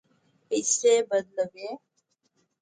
پیسې بدلوئ؟